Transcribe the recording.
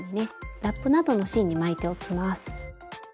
ラップなどの芯に巻いておきます。